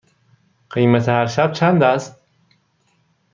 قیمت هر شب چند است؟